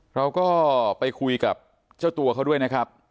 เราก็ไปคุยกับเจ้าตัวเขาด้วยนะครับ